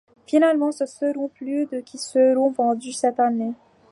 Finalement, ce seront plus de qui seront vendus cette année.